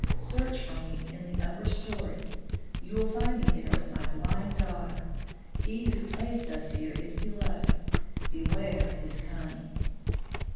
Search for me in the upper story. You will find me there with my blind daughter. He who placed us here is below; beware his cunning."